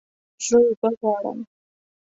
زه اوبه غواړم